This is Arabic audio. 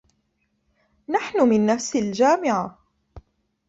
نحن من نفس الجامعة.